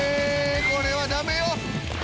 これはダメよ！